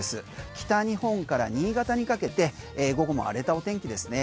北日本から新潟にかけて午後も荒れたお天気ですね。